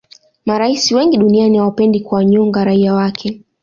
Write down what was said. marais wengi duniani hawapendi kuwanyonga raia wake